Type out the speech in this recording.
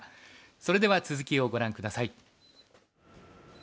それでは続きをご覧下さい。